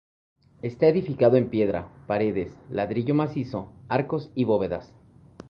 Esta edificado en piedra, paredes, ladrillo macizo, arcos y bóvedas.